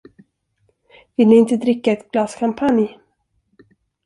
Vill ni inte dricka ett glas champagne?